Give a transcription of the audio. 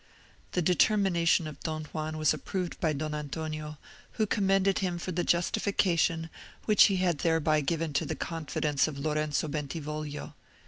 The determination of Don Juan was approved by Don Antonio, who commended him for the justification which he had thereby given to the confidence of Lorenzo Bentivoglio.